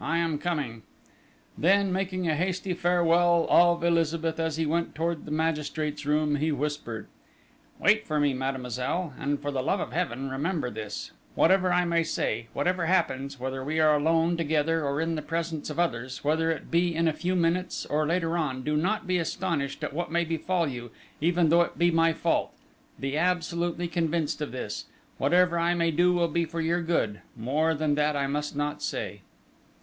"I am coming!" Then, taking a hasty farewell of Elizabeth as he went towards the magistrate's room, he whispered: "Wait for me, mademoiselle; and, for the love of Heaven, remember this whatever I may say, whatever happens, whether we are alone, together, or in the presence of others, whether it be in a few minutes, or later on, do not be astonished at what may befall you, even though it be my fault be absolutely convinced of this whatever I may do will be for your good more than that I must not say!"